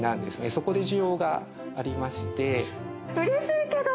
そこで需要がありまして。